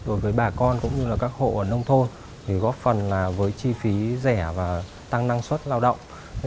đối với bà con cũng như các hộ ở nông thôn góp phần với chi phí rẻ và tăng năng suất lao động